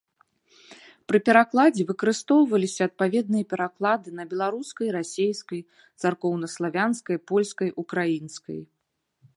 Пры перакладзе выкарыстоўваліся адпаведныя пераклады на беларускай, расейскай, царкоўнаславянскай, польскай, украінскай.